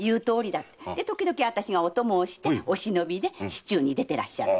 それで時々私がお供をしてお忍びで市中に出てらっしゃる。